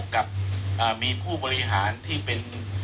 กับมีผู้บริหารที่เป็น